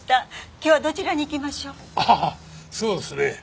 ああそうですね。